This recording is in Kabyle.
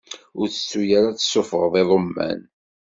Ur tettu ara ad tessufɣeḍ iḍumman!